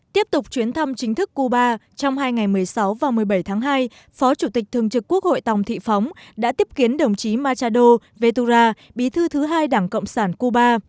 tiếp tục chuyến thăm chính thức cuba trong hai ngày một mươi sáu và một mươi bảy tháng hai phó chủ tịch thường trực quốc hội tòng thị phóng đã tiếp kiến đồng chí machado ve tura bí thư thứ hai đảng cộng sản cuba